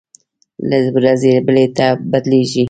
له ورځې بلې ته بدلېږي.